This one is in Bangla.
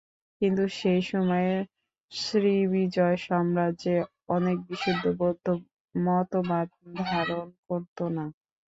কিন্তু সেই সময়েও শ্রীবিজয় সাম্রাজ্যে অনেকে বিশুদ্ধ বৌদ্ধ মতবাদ ধারণ করতো না।